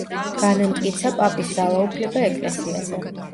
განამტკიცა პაპის ძალაუფლება ეკლესიაზე.